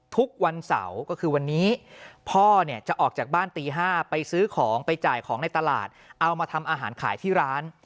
ทุกวันเสาร์ก็คือวันนี้พ่อเนี่ยจะออกจากบ้านตี๕ไปซื้อของไปจ่ายของในตลาดเอามาทำอาหารขายที่ร้าน